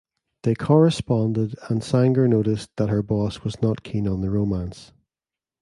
They corresponded and Sanger noticed that her boss was not keen on the romance.